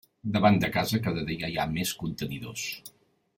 Davant de casa cada dia hi ha més contenidors.